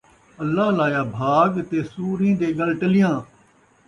اللہ لایا بھاڳ تے سوریں تے ڳل ٹلیاں